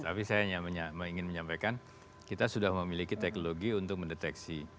tapi saya ingin menyampaikan kita sudah memiliki teknologi untuk mendeteksi